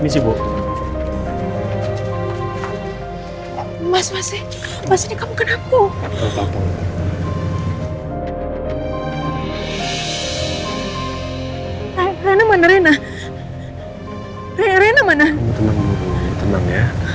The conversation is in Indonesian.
sampai jumpa di video selanjutnya